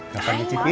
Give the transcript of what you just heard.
ya duduk nih